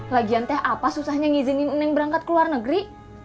lagian teh apa susahnya ngizinin yang berangkat ke luar negeri